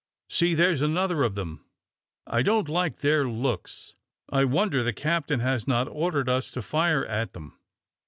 "See, there's another of them. I don't like their looks. I wonder the captain has not ordered us to fire at them."